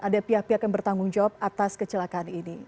ada pihak pihak yang bertanggung jawab atas kecelakaan ini